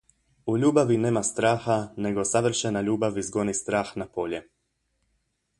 U ljubavi nema straha, nego savršena ljubav izgoni strah na polje.